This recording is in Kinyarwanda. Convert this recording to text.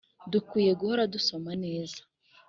Dukwiye guhora dusoma. Neza